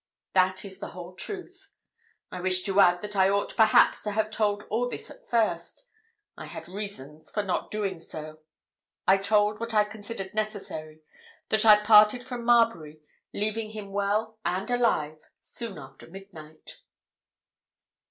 That is the whole truth. I wish to add that I ought perhaps to have told all this at first. I had reasons for not doing so. I told what I considered necessary, that I parted from Marbury, leaving him well and alive, soon after midnight."